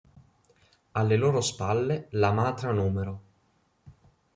Alle loro spalle la Matra nr.